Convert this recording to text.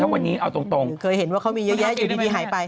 วันนี้เอาตรงเคยเห็นว่าเขามีเยอะแยะอยู่ดีหายไป